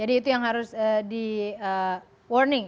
itu yang harus di warning